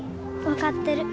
分かってる。